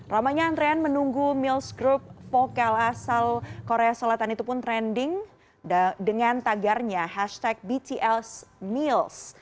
ramanya antrean menunggu mills group vokal asal korea selatan itu pun trending dengan tagarnya hashtag btsmills